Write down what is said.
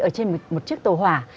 ở trên một chiếc tàu hỏa